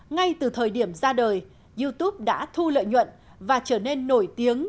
ngay từ thời điểm ra đời youtube đã thu lợi nhuận và trở nên nổi tiếng